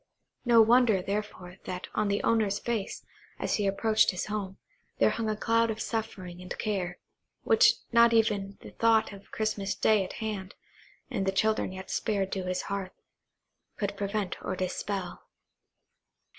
No wonder, therefore, that on that owner's face, as he approached his home, there hung a cloud of suffering and care, which not even the thought of the Christmas day at hand, and the children yet spared to his hearth, could prevent or dispel.